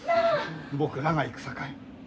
僕らが行くさかい。